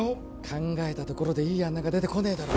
考えたところでいい案なんか出てこねえだろ